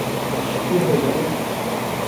স্থির হয়ে থাকো।